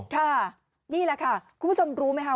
ค่ะนี่แหละค่ะคุณผู้ชมรู้ไหมคะ